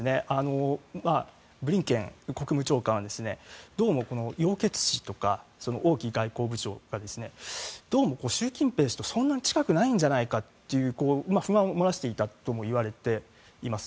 ブリンケン国務長官はどうもヨウ・ケツチ氏とか王毅外交部長がどうも習近平氏とそんなに近くないんじゃないかと不満を漏らしていたとも言われています。